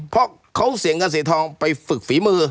เพราะเขาเห็นอัตเซธองไปฝึกฝีมือ